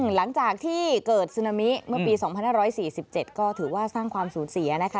หลังจากที่เกิดซึนามิเมื่อปี๒๕๔๗ก็ถือว่าสร้างความสูญเสียนะคะ